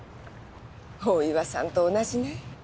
大岩さんと同じね。